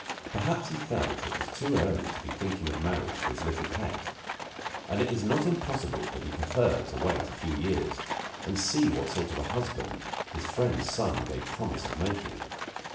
Perhaps he felt that it was too early to be thinking of marriage for his little pet, and it is not impossible that he preferred to wait a few years and see what sort of a husband his friend's son gave promise of making.